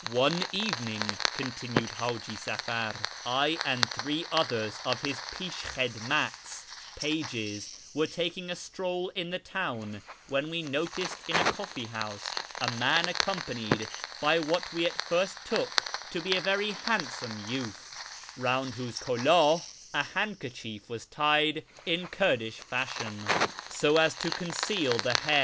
" One evening," continued H;iji Safar, " I anel three others of his pisld hidmats (pages) were taking a stroll in the town when we noticed in a coireo house a man accompanied by what we at first took to l)o a very handsome youth, round whose kuldk a handkerchief was tied in Kurdish fashion, so as to conceal the hair.